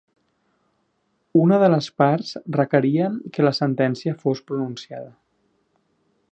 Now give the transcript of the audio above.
Una de les parts requeria que la sentència fos pronunciada.